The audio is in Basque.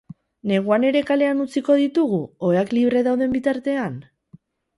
Neguan ere kalean utziko ditugu, oheak libre dauden bitartean?